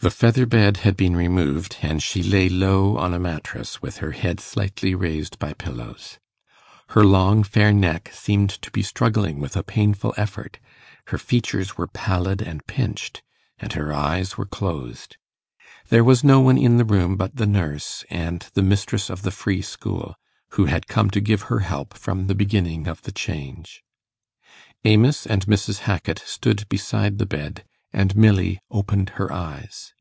The feather bed had been removed, and she lay low on a mattress, with her head slightly raised by pillows. Her long fair neck seemed to be struggling with a painful effort; her features were pallid and pinched, and her eyes were closed. There was no one in the room but the nurse, and the mistress of the free school, who had come to give her help from the beginning of the change. Amos and Mrs. Hackit stood beside the bed, and Milly opened her eyes.